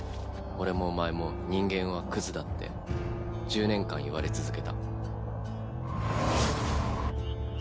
俺もお前も人間はクズだ」って１０年間言われ続けた。